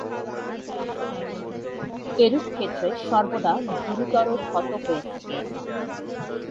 এরূপ ক্ষেত্রে সর্বদা গুরুতর ক্ষত হয়ে থাকে।